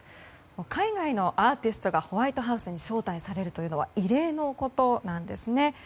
海外のアーティストがホワイトハウスに招待されるというのは異例のことなんですね。